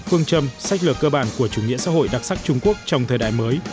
phương châm sách lược cơ bản của chủ nghĩa xã hội đặc sắc trung quốc trong thời đại mới